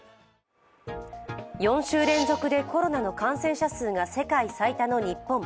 ４週連続でコロナの感染者数が世界最多の日本。